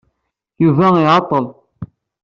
Yuba iɛeḍḍel.